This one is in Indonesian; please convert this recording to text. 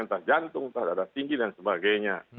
entah jantung entah darah tinggi dan sebagainya